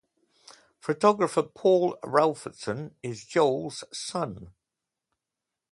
Photographer Paul Raphaelson is Joel's son.